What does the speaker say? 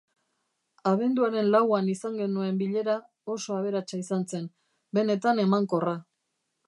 Abenduaren lauan izan genuen bilera oso aberatsa izan zen, benetan emankorra.